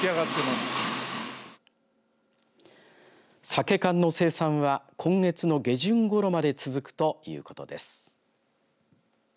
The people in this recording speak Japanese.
サケ缶の生産は今月の下旬ごろまで続くということです。